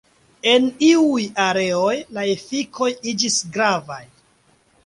En iuj areoj la efikoj iĝis gravaj.